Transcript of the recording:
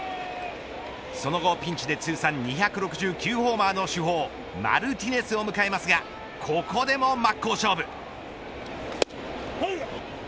その後、ピンチで通算２６９ホーマーのマルティネスを迎えますがここでも真っ向勝負。